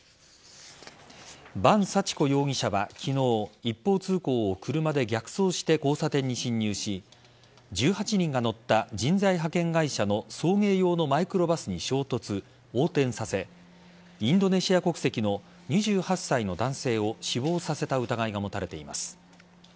伴幸子容疑者は昨日一方通行を車で逆走して交差点に進入し１８人が乗った人材派遣会社の送迎用のマイクロバスに衝突横転させインドネシア国籍の２８歳の男性を死亡させた疑いが持たれています。